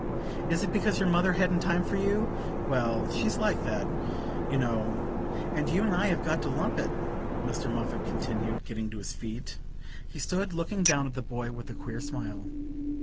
"Is it because your mother hadn't time for you? Well, she's like that, you know; and you and I have got to lump it," Mr. Moffatt continued, getting to his feet. He stood looking down at the boy with a queer smile.